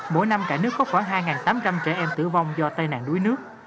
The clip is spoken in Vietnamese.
mỗi năm cả nước có khoảng hai tám trăm linh trẻ em tử vong do tai nạn đuối nước